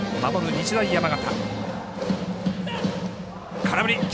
日大山形。